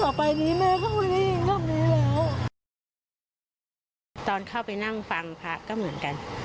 ต่อไปนี้แม่ก็ไม่ได้รูปนี้แล้วตอนเข้าไปนั่งฟังพระก็เหมือนกัน